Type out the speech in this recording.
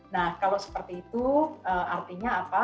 nah kalau seperti itu artinya apa